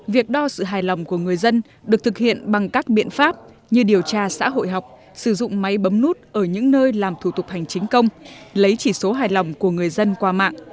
việc đo sự hài lòng của người dân được thực hiện bằng các biện pháp như điều tra xã hội học sử dụng máy bấm nút ở những nơi làm thủ tục hành chính công lấy chỉ số hài lòng của người dân qua mạng